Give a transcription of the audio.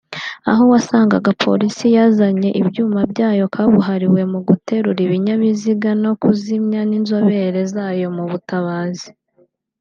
aho wasangaga polisi yazanye ibyuma byayo kabuhariwe mu guterura ibinyabiziga no kuzimya n’inzobere zayo mu butabazi